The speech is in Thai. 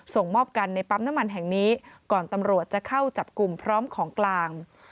ส่งมอบกันในปั๊มน้ำมันแห่งนี้ก่อนตำรวจจะเข้าจับกลุ่มพร้อมของกลาง